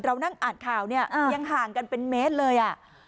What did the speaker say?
เรานั่งอาจข่าวยังห่างกันเป็นเมตรเลย